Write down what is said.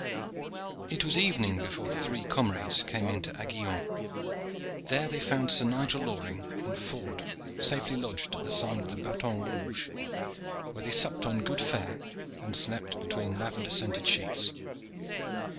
It was evening before the three comrades came into Aiguillon. There they found Sir Nigel Loring and Ford safely lodged at the sign of the "Baton Rouge," where they supped on good fare and slept between lavender scented sheets.